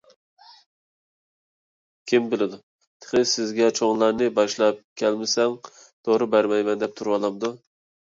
كىم بىلىدۇ، تېخى سىزگە چوڭلارنى باشلاپ كەلمىسەڭ دورا بەرمەيمەن دەپ تۇرۇۋالامدۇ!